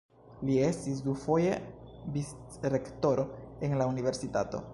Li estis dufoje vicrektoro en la universitato.